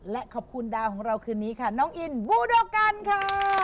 และขอบคุณดาวของเราคืนนี้ค่ะน้องอินบูโดกันค่ะ